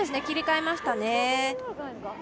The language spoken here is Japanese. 切り替えましたね。